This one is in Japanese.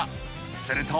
すると。